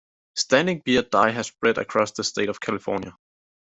Standing beer die has spread across the state of California.